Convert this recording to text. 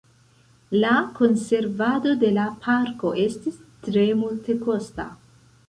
La konservado de la parko estis tre multekosta.